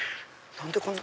何でこんな。